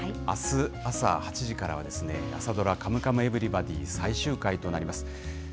あす朝８時からは、朝ドラ、カムカムエヴリバディ最終回となります。